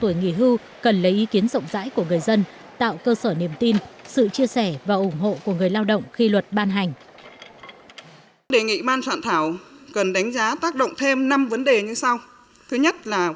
ý kiến rộng rãi của người dân tạo cơ sở niềm tin sự chia sẻ và ủng hộ của người lao động khi luật ban hành